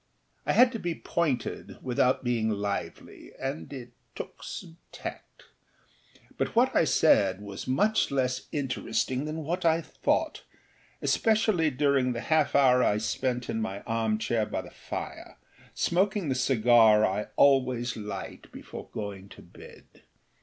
I had to be pointed without being lively, and it took some tact. But what I said was much less interesting than what I thoughtâespecially during the half hour I spent in my armchair by the fire, smoking the cigar I always light before going to bed.